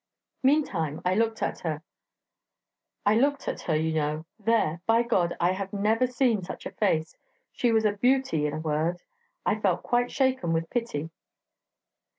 Meantime I looked at her; I looked at her, you know there, by God! I had never seen such a face! she was a beauty, in a word! I felt quite shaken with pity.